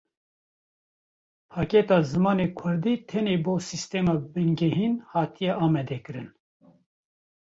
Pakêta zimanê kurdî tenê bo sîstema bingehîn hatiye amadekirin.